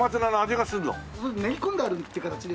練り込んであるって形ですね。